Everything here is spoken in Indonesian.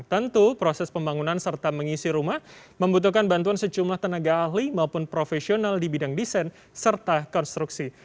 tentu proses pembangunan serta mengisi rumah membutuhkan bantuan secumlah tenaga ahli maupun profesional di bidang desain serta konstruksi